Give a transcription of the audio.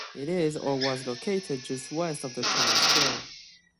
It is or was located just west of the town square.